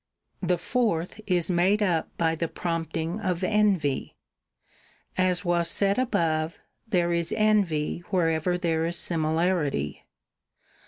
The fourth is made up by the prompting of iv. envy. As was said above, there is envy where ever there is similarity.